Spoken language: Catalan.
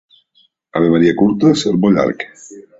Avemaria curta, sermó llarg.